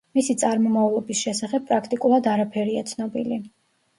მისი წარმომავლობის შესახებ პრაქტიკულად არაფერია ცნობილი.